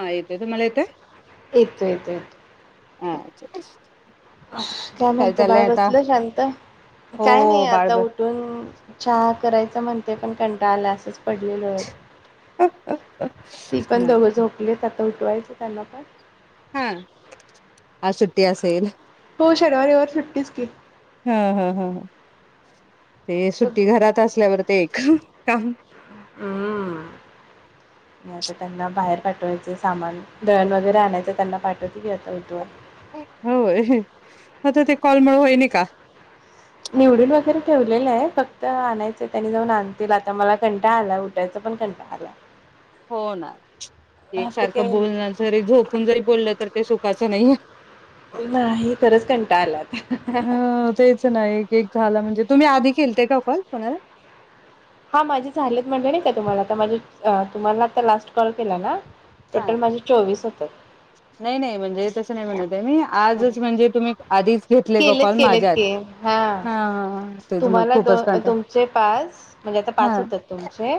हा येतोय तुम्हाला येतोय? येतो येतोय ह काय म्हणते बाळ बसलं शांत काय हो नाही बाळ आता उठून चहा करायचा म्हणते पण कंटाळा आला असंच पडले ती पण नाही दोघं झोपलीत आता उटवायचं त्यांना पण हा आज सुट्टी असेल तू शनिवारी रविवार सुट्टीच की हा हम् हम ते सुट्टी घरात असल्यावर ते एक काम हम्म आता त्यांना बाहेर पाठवायचं सामान दळण वगैरे आणायच त्यांना पाठवाय आता होेत आहे तुझं ते कॉल मुळं व्हायला का निवडून वगैरे ठेवलेलं आहे फक्त आणायचं त्यानी जाऊन आणतील आता मला कंटाळा आलाय उठायचा पण कंटाळा आला हो ना एक आता सारखं काय बोलण जरी झोपून जरी बोललं तर ते कच नाहीे नाही खरंच कंटाळा आला आता अ तेच नाही एक झाला म्हणजे तुम्ही आधी केलते का कोण पुणार हा माझे झालेत म्हणले ना का तुम्हाला आ माझ तुम्हाला आ लास्ट कॉल केला ना हा टोटल म्हणजे चोवीस हो तर नाही नाही म्हणजे तसं नाही म्हणत तरी आजच म्हणजे तुम्ही आधीच घेतले का केलेत कॉल केलेत माझ्या आधी के हा हा तेच मग तुम्हाला खूपच दोन कंटाळा तुमचे पाच म्हणजे आता हा पाच होतात तुमचे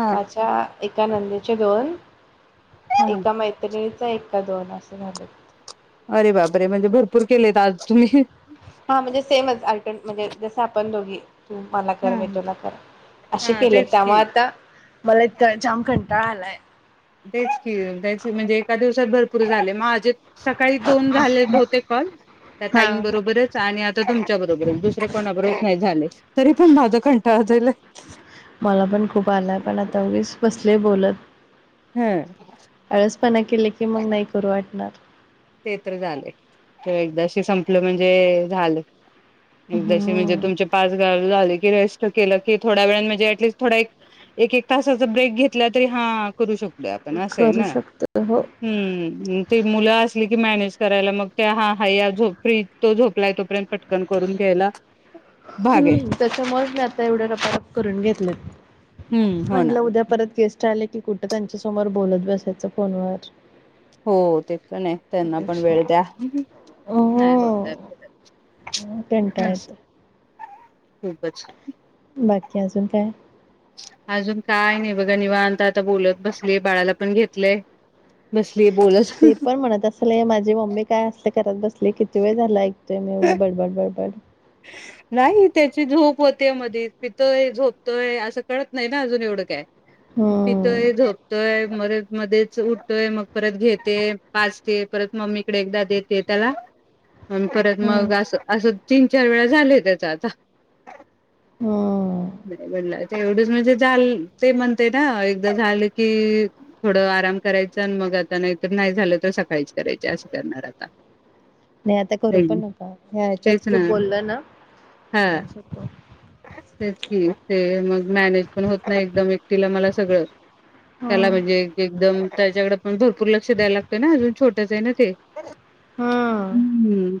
हा माझ्या एका नंदीचे दोन हा एका मैत्रिणी एका दोन असं झालं अरे बाप रे म्हणजे भरपूर केलेत आज तुम्ही हा म्हणजे सेमच आयटन म्हणजे जस आपण दोघी तू मला कर मी हां. तुला कर असे हां, केले तेच त्यामुळं की. आता मला इं जाम खं ळा आलंय तेच कीच म्हणजे एका दिवसात भरपूर पुरे झाले माझेत सकाळी दोन झाले बहुतेक कॉल त्या ताईंबरोबरच आणि आता तुमच्या बरोबरच दुसरे कोणाबरोबरच नाय झाले तरी पण माझा कंटाळा जाईला मला पण खूप आलाय पण आता उगीच बोलत हं आळस पण ए केले की मंग नाय करू वाटणार ते तर झालय ते एकदाशी संपलं म्हणजे झालय एकदाशी म्हणजे हम्म तुमचे पाच गाव झाल की रेस्ट केलं की थोडया वेळाने म्हणजे ॲटलिस्ट् थोडा एक एक एक तासाचा ब्रेक घेतला तरी हां करू शक द्या पण असं आहे करू ना शकतो हो हं ते मुल असं ती मॅनेज करायला मग ते हा हा हाय फ्री तो झोपलाय तोपर्यंत पटकन करून घ्यायला... भाग आहे. हूं त्याच्यामुळेच मी आता एवढ्या रपारप करून घेतलेत. हम्म हो ना. म्हंटल उद्या परत गेस्ट आले की कुठं त्यांच्या समोर बोलत बसायचं फोनवर हो ते पण आहे त्यांना पण त्यापेक्षा वेळ द्या नाय होत य अस काय? हूं कंटाळतोय.... [inaudible] खूपच बाकी अजून काय? अजून काय नाही बघा निवांत आता बोलत बसलीये बाळाला पण घेतलंय बस ते पण म्हणत असल ए माझी मम्मी काय असले घरात बसले किती वेळ झालाय? ते ने उगी बडबड बडबड नाही त्याची झोप होते मधे पितोय झोपतोय असं कळत नाही ना अजून एवढं काय? हम्म पितोय झोपतोय मध्ये मध्येच उठतोय मग परत घेते पाजते परत मम्मीकडे एकदा देते त्याला अन परत हम्म मग असं असं रिकामा ऑडिओ [inaudible] चार वेळा झालय त्याच आता [unintelligible] हम्म तेवढच म्हणजे झाल ते म्हणते ना एकदा झालं की थोडं आराम करायचं आणि मग आता नाहीतर नाही झालं तर सकाळीच करायचे असं करणार आता नाय आता करू पण नका ह्या तेच हेच्यात खूप ना बोला हा तेच कि ते मग मॅनेज पण होत नाय एकदम एकटीला मला सगळं हम्म त्याला म्हणजे एकदम त्याच्याकडे पण भरपूर लक्ष द्यायला लागतोय ना अजून छोटंच आहे ना ते हम्म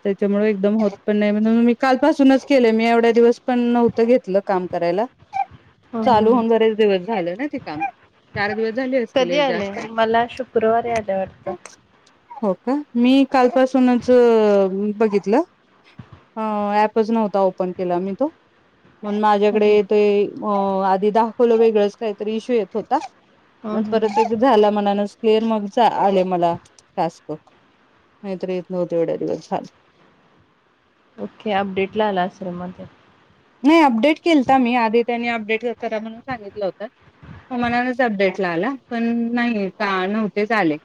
ह मुळे एकदम होत पण नाही म्हणून मी कालपासूनच केलं मी एवढ्या दिवस पण नव्हतं घेतलं काम करायला हम्म हम्म चालू हम्म. होऊन बरेच दिवस झालं ना ते काम चार दिवस झाले असतील कधी एक आले जास्त मला शुक्रवारी आले वाटतं हो का मी कालपासूनच बघितलं ऍपच नव्हता ओपन केला मी तो पण माझ्याकडे ते अ आधी दाखवलं वेगळंच काहीतरी इश्यू येत होता हा मग हा परत हा एक झाला म्हनान क्लिअर मग आले मला टास्क नाहीतर येत नव्हत एवढ्या दिवस झालं ओके अपडेट ला आला असेल मग नाही अपडेट केलता मी आधी त्यांनी अपडेट करा म्हणून सांगितलं होतं म मनानच अपडेट ला आला पण नाही का नव्हते चाले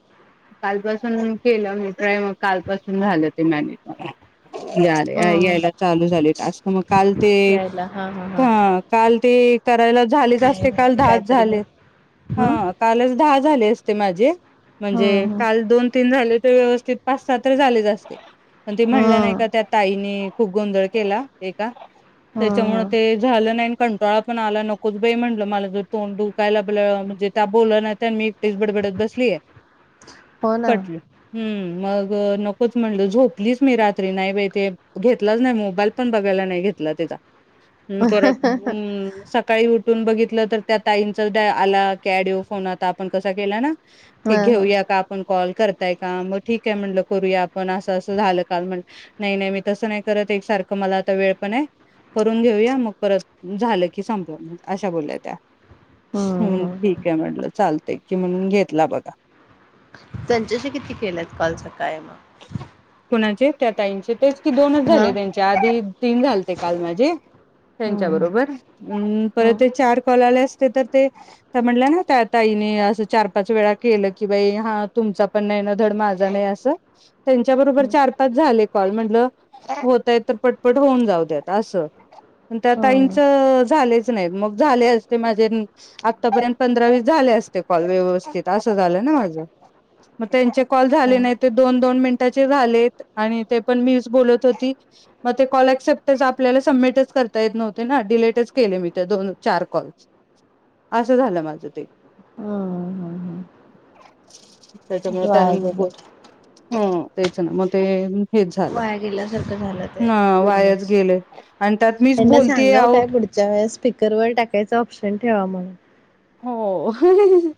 कालपासून केलं मी ट्राय मग कालपासून झालं ते मॅनेज या हम्म यायला चालू झाली टास्क मग काल ते हा काल ते करायला झालेच काय असते काल माहिती दहाच कायतरी ग झाले हम्म हा कालच दहा झाले अस ते माझे म्हणजे हम्म काल दोन-तीन झाले व्यवस्थित पाच सहा तर झालेच असते पण ते म्हणलं नाही हम्म का त्यात आईनी खूप गोंधळ केला एका हम्म त्याच्यामुळे हम्म ते झालं नाही कंटाळा पण आला, नकोच बाई म्हणलं मला जर तोंड दुकाायला आपलं म्हणजे त्या बोल नाही त्या मी एकटीच बडबडत बसलीय हो ना कटलं हम्म मग नकोच म्हंलं झोपलीच मी रात्री नाही बाई ते घेतलंच नाही मोबाईल पण बघायला नाही घेतला त्याचा परत सकाळी उठ उचलून बघितलं तर त्या ताईंचा आला ऑडिओ फोन आता आपण कसा केला ना हा हा घेऊया का आपण कॉल करताय का मग ठीक आहे म्हटलं करूया आपण असं असं झालं का म्ह नाही नाही मी तसं नाही करत एक सारखं मला आता वेळ पण आहे करून घेऊया मग परत झालं कि संपलं अशा बोलल्या त्या हम्म हम्म ठीक आहे म्हटलं चालत कि म्हणून घेतला बघा त्यांच्याशी किती केलेत काल सकाळी मग कोणाचे त्या ताईंचे तेच की दोनच हा झाले त्यांच्या आधी तीन झालते काल माझे त्यांच्या हम्म बरोबर परत हम्म ते चार कॉल आले असते तर ते म्हटलं ना त्या ताईने असं चार पाच वेळा केलं की बाई हा तुमचा पण नाही ना धड माझा नाही असं त्यांच्याबरोबर हम्म चार पाच झाले कॉल म्हटलं होतय तर पटपट होऊन जाऊ दत असं त्या हम्म ताईचं झालेच नाही मग झाले असते माझे आतापर्यंत पंधरा वीस झाले असते कॉल व्यवस्थित असं झालं ना माझ मग त्यांचे कॉल हा झाले नाही दोन दोन मिनटाचे झालेत आणि ते पण मीच बोलत होती, मग ते कॉल ऍक्सेप्टच आपल्याला सबमिटच करता येत नव्हते ना, डिलेटच केले मी दोन चार कॉल असं झालं माझ ते हम्म हम्म त्याच्यामुळे ते त्या वाया गेलं बोल ह तेच ना म ते अ वाया गेल्यासारखं झालं. ते वायाच पूर्णच गेले आणि त्यात मीच त्यांना बोलतेय सांगाव, आहो काय पुढच्या वेळेस स्पीकरवर टाकायच ऑप्शन ठेवा म्हणून हो, ओ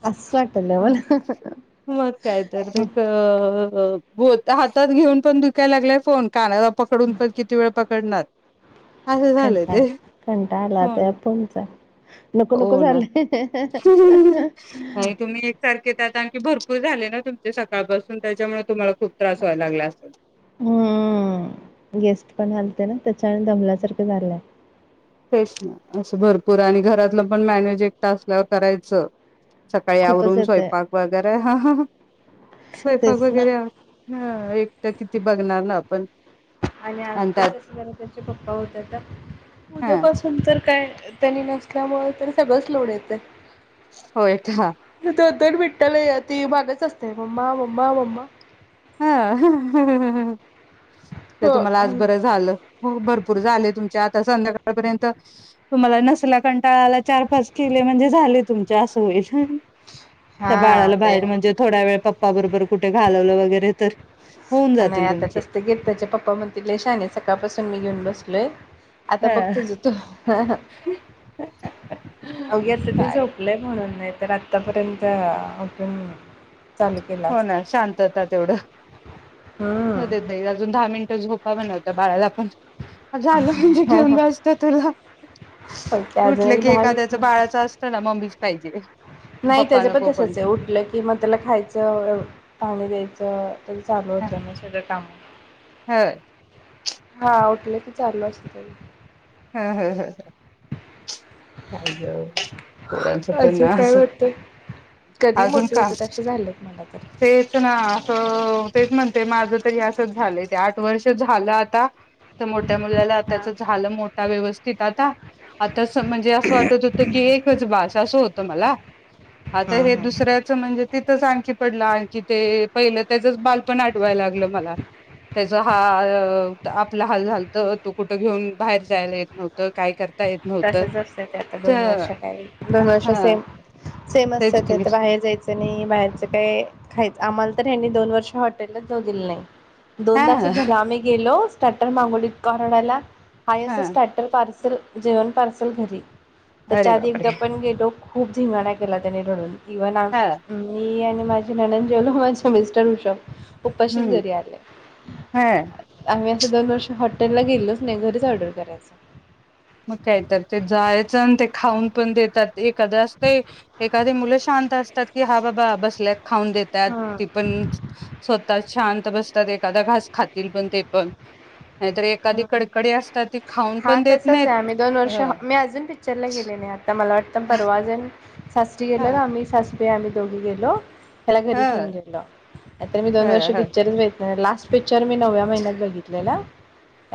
असं वाटलं मला मग काय तर तेत अ - अ, पोत हातात घेऊन पण दुखायला लागलाय, फोन कानाला पकडून पण किती वेळ पकडणार, असं झालंय कंटाळा ते कंटाळा आलाय, हो आता ह्या ना फोनचा नको नको हो ना. झालय. [inaudible] ते त्यात आणखी भरपूर झाले. ना तुमचे सकाळपासून त्याच्यामुळे तुम्हाला खूप त्रास व्हायला लागला असेल. हम, गेस्ट पण आलते. ना त्याच्यान दमल्यासारखं झालंय. तेच ना असं भरपूर आणि घरातलं पण मॅनेज एकट असल्यावर करायचं. सकाळी खूपच आवरून येतय स्वयंपाक वगैरे, ह -ह - ह स्वयपाक तेच ना वगैरे, हं एक ते किती बघणार ना आपण आणि आज तर कस झाले त्याचे पप्पा होते, तर हा उद्यापासून तर, काय त्यांनी नसल्यामुळे, तर सगळंच लोड येतं. [unintelligible] दोन दोन मिनटाला या ती मागच असतेय मम्मा मम्मा मम्मा [unintelligible] ते हो तुम्हाला आज बरं झालं. हो, भरर पूर झाले तुमच्या आता संध्याकाळपर्यंत तुम्हाला नसला, कंटाळाला चार पाच केले म्हणजे झाले तुमच्या असं होईल. त्या हा बाळाला ते बाहेर म्हणजे थोडा वेळ पप्पा बरोबर कुठे घालवलं वगैरे बेहतर नाही आता तस ते घेत. त्याचे पप्पा म्हणतील लई शहाणी आहेससकाळपासून मी घेऊन बस प्ले आता बघ हा तुझं तू अवघे आत्ता ते काय झोपलेत म्हणून नाही तर, आत्तापर्यंत आपण होणा शांतता तेवढं राहू दे, हम्म ताई अजून दहा मिनट झोप काय बनवतोय, बाळाला पण अ झालं म्हणजे घेऊन बसते. तुला ओके अजून उठल एक की, दहा वीस एखाद्याच बाळाच मिनिटं असतं. ना मम्मीच पाहिजे. नाही. पप्पा त्याच पण नको कोण तसच आहे. उठलं कि मग त्याला खायचं पाणी दयचं तर चालू होतं ना सगळ्या काम हा हा उठले की चालू असत हम हम ह खा ोडांच अजून पन्ना काय वाटतं कधी अजून मोठे का होत तसे झालेत मला तर तेच ना असं तेच म्हणते माझ च झाले ते आठ वर्ष झालं आता तर मोठ्या मुलाला त्याच हा झालं व्यव आता आता म्हणजे असं वाटत होत की एकच बास असं होतं मला आता हे दुसऱ्याचं म्हणजे ते आणखी पडलं आणखी ते पहिलं त्याचच बालपण आठवायला लागलं मला, त्याच हा आपला हाल झालत तो कुठं घेऊन बाहेर यला येत नव्हतं काय कर तसच असतं ते आता दोन वर्ष काही दोन वर्ष हा सेम सेम असत तेच ते की आता बाहेर जायचं नाही बाहेरच काय खायचं आम्हाला तर ह्यांनी दोन वर्ष हॉटेललाच जाऊ दिले नाही दोन हा तास झाल आम्ही गेलो, ट्टर मगोली कराडला हा अस स्टॅटर पार सर जेवण पार्सल घरी अरे तरच्या आध बापरे पण घेलो खूप धिंगाणा केला त्यानी रडून इव ना हा माझे नन जेवल माझं मिस्टर वूषभ उप्पाशीच हम्म घरी आले हा आम् दोन वर्ष हॉटेल ला गेलोच नाही, घरीच ऑर्डर करायच मग काहीत ते जायचं आणि ते खाऊन पण देतात एखाद असते, एखादी मुलं शांत असतात की हा बाबा बसल्यात खाऊन देतात ती हा पण स्वतः छानत बस एखादा घास खातील पण ते पण नाहीतर एखादी हा कडकडी असतात ती खाऊन हा पण देत तसाच आहे आम्ही नाहीत दोन ह वर्ष मी अजून पिक्चरला गेले नाही आता मला उत् परवाजन सासरी गेल्यावर ह आम्ही सास ते आम्ही दोघी गेलो त्याला ह घरी ठेवून गेलं आता मी ह ह दोन वर्ष ह पिक्चरच बागितला नाही लास्ट चर मी नव्या महिन्यात बघितलेला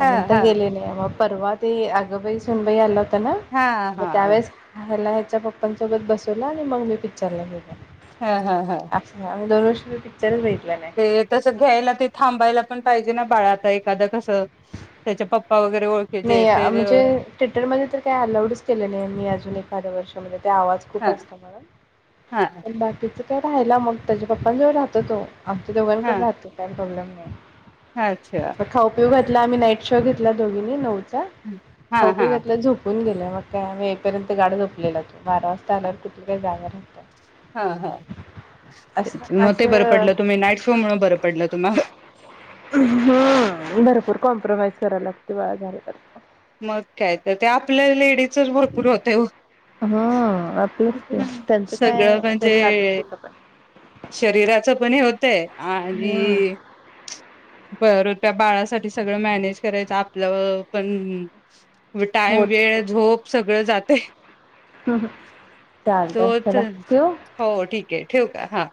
हा गेले नाही मग. परवा ते अगबाई सुनबाई आला होता. होता ना हा मग त्यावेळेस ह्याला त्यांच्या पप्पांसोबत बसवला आणि मग मी पिक्चरला गेले. हा हा हा अच्छा म दोन वर्ष विष्णू पिक्चरच बगी ते तसं घ्यायला ते थांबायला पण पाहिजे ना बाळा आता एखादं कसं त्याच्या पप्पा वगैरे ओळखीचे नाही ते म्हणजे थिटरमध्ये तर काही अलाउडच केले नाही मी अजून एखाद्या वर्षामध्ये ते आवाज खूप हा असतो म्हणून हा आणि बाकीच काय राहायला मग त्याच्या पप्पां जवळ राहतो तो आमच्या दोघांकड राहतोय काय प्रॉब्लेम नाही. हा अच्छा लाम्ही नाईट शो घेतला दोघीनी नऊ हा ह पी हा घातला झोपून घेत मग काय आम्ही एकपर्यंत गाड झोपलेला तो बारा वाजता आल्यावर कुठ काय जागा नव्हता हा हा मग ते बरं असं पडलं तुम्ही नाईट शो म्हणून बर पडलं तुम्हाला प्रवास कराय लागतो बाळ झालं तरी पण मग काय तर ते आपल्या लेडीसच भरपूर होतय हम्म आपलंच ते त्यांचं काय सगळं म्हणजे त्यांनी जातात कुठं पण शरीराच पण होतय हम्म आणि बर ल्या बाळासाठी सगळं मॅनेज करायचं आपलं पण [inaudible] हो टाईम, वेळ, झोप सगळं जात. ते ह् चालतय चला ठेऊ हो ठीक आहे ठेवू का हा